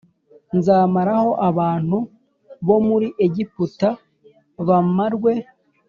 Nzamaraho abantu bo muri Egiputa bamarwe